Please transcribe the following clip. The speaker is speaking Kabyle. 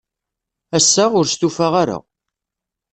Ass-a, ur stufaɣ ara.